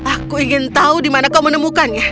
aku ingin tahu di mana kau menemukannya